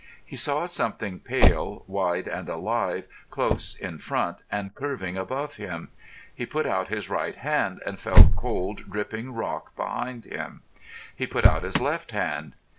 He saw something pale, wide, and alive close in front and curving above him. He put out his right hand and felt cold, dripping rock behind him. He put out his left hand.